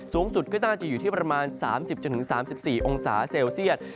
สูงสุดก็น่าจะอยู่ที่ประมาณ๓๐๓๔องศาเซลเซียต